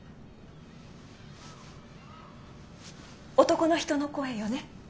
男の人の声よね？